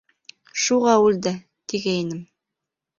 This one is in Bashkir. Шуға үлде, тигәйнем.